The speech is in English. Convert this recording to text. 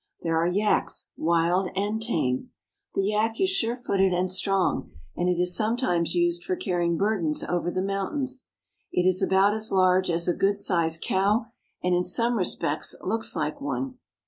There are yaks, wild and tame. The yak is sure footed and strong, and it is sometimes used for carrying burdens over the moun tains. It is about as large as a good sized cow, and in some respects looks like one.